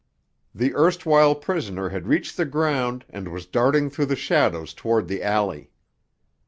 The erstwhile prisoner had reached the ground and was darting through the shadows toward the alley.